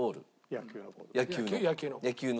野球の？